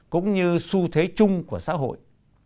cũng như xu thế chung của xã hội